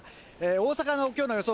大阪のきょうの予想